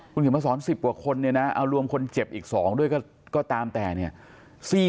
คุณเขียนมาสอน๑๐กว่าคนเนี่ยนะเอารวมคนเจ็บอีก๒ด้วยก็ตามแต่เนี่ย